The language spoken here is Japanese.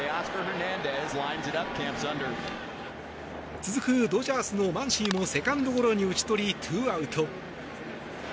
続くドジャースのマンシーもセカンドゴロに打ち取りツーアウト。